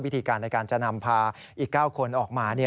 วิธีการในการจะนำพาอีก๙คนออกมา